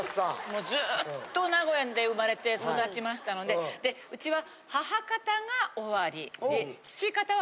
もうずっと名古屋で生まれて育ちましたのででうちは。